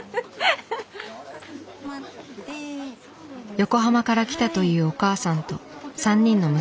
横浜から来たというお母さんと３人の息子さん。